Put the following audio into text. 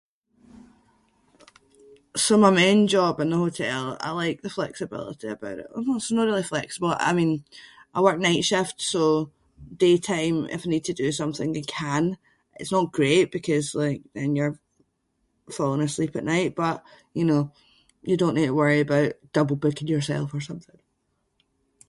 So my main job in the hotel, I like the flexibility about it- [inc] it’s no really flexible, I mean I work night shifts so daytime, if you need to do something you can. It’s not great because like then you’re falling asleep at night but, you know, you don’t need to worry about double-booking yourself or something.